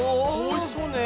おいしそうね。